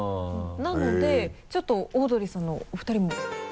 なのでちょっとオードリーさんのお二人も。